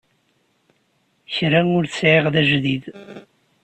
Kra ur t-sɛiɣ d ajdid.